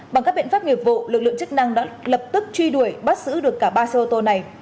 bằng các biện pháp nghiệp vụ lực lượng chức năng đã lập tức truy đuổi bắt giữ được cả ba xe ô tô này